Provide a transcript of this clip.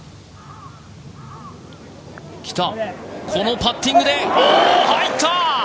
このパッティングで入った！